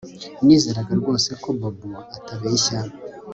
Nizeraga rwose ko Bobo atabeshya